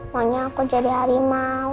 maunya aku jadi harimau